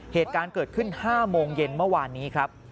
เหตุการณ์เกิดขึ้น๕โมงเย็นเมื่อวานนี้ครับ